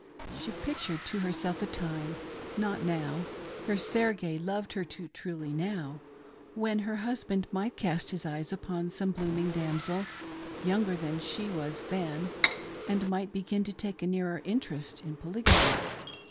She pictured to herself a time ^ not now, her Serge loved her too truly ;«<?«'— when her hus band might cast his eyes upon some blooming damsel, younger than she was then, and might begin to take a nearer interest in Polygamy.